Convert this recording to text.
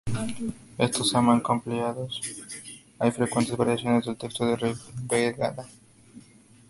En estos "saman" compilados hay frecuentes variaciones del texto del "Rigveda".